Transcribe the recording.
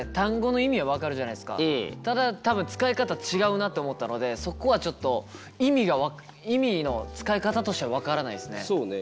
ただ多分使い方違うなって思ったのでそこはちょっと意味の使い方としては分からないですね。